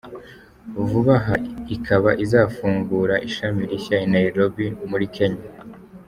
Vuba aha ikaba izafungura ishami rishya i Nairobi muri Kenya.